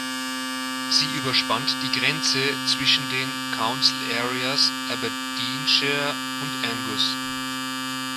Sie überspannt die Grenze zwischen den Council Areas Aberdeenshire und Angus.